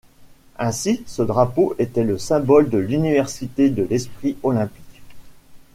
Ainsi ce drapeau est le symbole de l’universalité de l’esprit olympique.